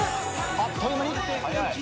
あっという間に。